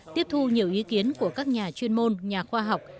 tiếp thu nhiều ý kiến của các nhà chuyên môn nhà khoa học